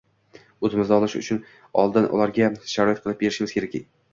Oʻzimizda olib qolish uchun oldin ularga sharoit qilib berishimiz kerak.